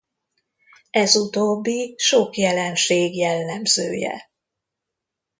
Ez utóbbi sok jelenség jellemzője.